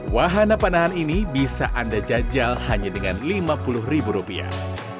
wahana panahan ini bisa anda jajal hanya dengan lima puluh ribu rupiah